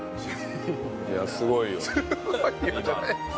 いやすごいよ今の。